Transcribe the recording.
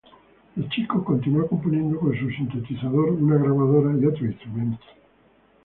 De chico continúa componiendo con su sintetizador, una grabadora y otros instrumentos.